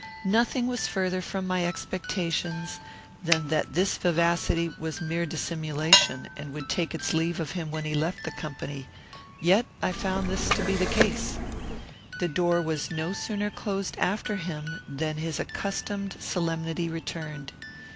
Nothing was further from my expectations than that this vivacity was mere dissimulation and would take its leave of him when he left the company; yet this I found to be the case. The door was no sooner closed after him than his accustomed solemnity returned.